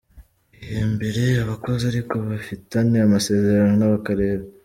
Bihembere abakozi ariko bafitane amasezerano n’akarere.